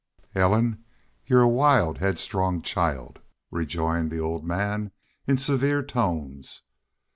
"Ellen, you're a wild, headstrong child," rejoined the old man, in severe tones.